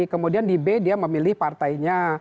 kemudian di b dia memilih partainya